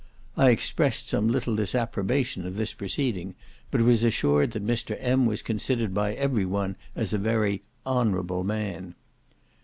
I expressed some little disapprobation of this proceeding, but was assured that Mr. M. was considered by every one as a very "honourable man."